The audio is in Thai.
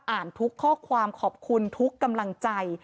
อ่านทุกข้อความขอบคุณทุกกำลังใจ